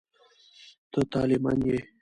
ته طالع من یې.